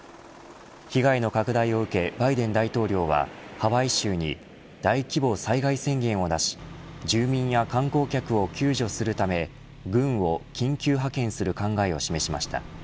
被害の拡大を受けバイデン大統領はハワイ州に大規模災害宣言を出し住民や観光客を救助するため軍を緊急派遣する考えを示しました。